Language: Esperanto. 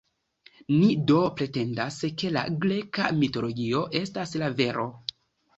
Ni do pretendas, ke la greka mitologio estas la vero.